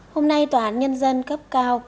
hôm nay tòa án nhân dân cấp cao